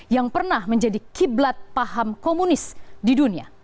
yang pernah menjadi kiblat paham komunis di dunia